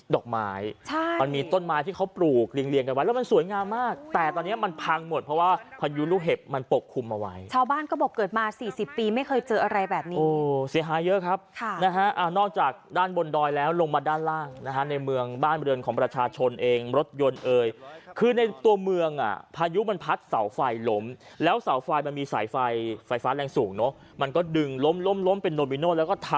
ดอกไม้ใช่มันมีต้นไม้ที่เขาปลูกเรียงเรียงกันไว้แล้วมันสวยงามมากแต่ตอนเนี้ยมันพังหมดเพราะว่าพายุลูกเห็บมันปกคุมเอาไว้ชาวบ้านก็บอกเกิดมาสี่สิบปีไม่เคยเจออะไรแบบนี้โอ้เสียหายเยอะครับค่ะนะฮะอ่านอกจากด้านบนดอยแล้วลงมาด้านล่างนะฮะในเมืองบ้านบริเวณของประชาชนเองรถยนต์เอ่ยคือในตั